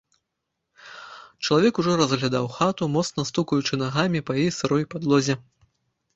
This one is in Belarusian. Чалавек ужо разглядаў хату, моцна стукаючы нагамі па яе сырой падлозе.